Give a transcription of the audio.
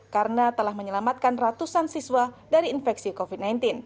karena telah menyelamatkan ratusan siswa dari infeksi covid sembilan belas